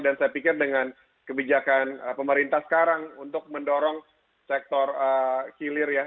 dan saya pikir dengan kebijakan pemerintah sekarang untuk mendorong sektor kilir ya